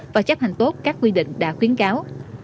và chấp hành tốt các quy định đã khuyến cáo